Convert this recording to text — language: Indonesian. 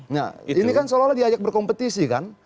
nah ini kan seolah olah diajak berkompetisi kan